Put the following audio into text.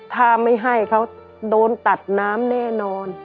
ถ้าไม่ให้เขาโดนตัดน้ำแน่นอน